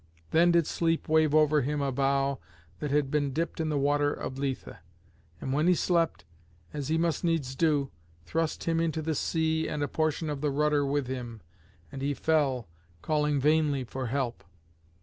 Then did Sleep wave over him a bough that had been dipped in the water of Lethe; and when he slept, as he must needs do, thrust him into the sea and a portion of the rudder with him; and he fell, calling vainly for help.